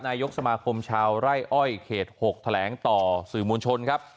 นายกสมาคมชาวไร่อ้อยเขต๖แถลงต่อสื่อมวลชนครับ